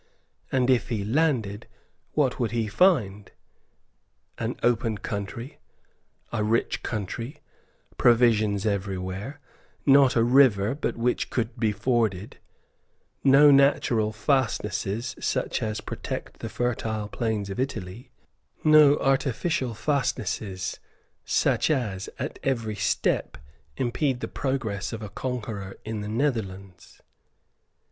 And, if he landed, what would he find? An open country; a rich country; provisions everywhere; not a river but which could be forded; no natural fastnesses such as protect the fertile plains of Italy; no artificial fastnesses such as, at every step, impede the progress of a conqueror in the Netherlands.